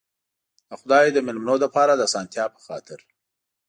د خدای د مېلمنو لپاره د آسانتیا په خاطر.